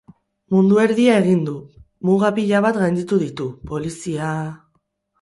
Mundu erdia egin du, muga pila bat gainditu ditu, polizia...